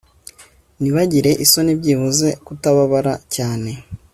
Nibagire isoni byibuze kutababara cyane